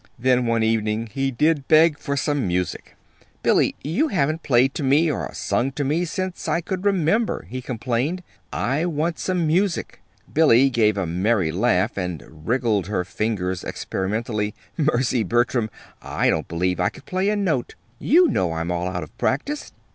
Then, one evening, he did beg for some music. "Billy, you haven't played to me or sung to me since I could remember," he complained. "I want some music." Billy gave a merry laugh and wriggled her fingers experimentally. "Mercy, Bertram! I don't believe I could play a note. You know I'm all out of practice."